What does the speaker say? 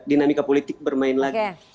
dinamika politik bermain lagi